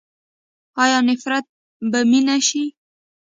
آیا نفرت به مینه شي؟